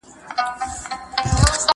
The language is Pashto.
دلته هره تيږه کاڼئ بدخشان دی؛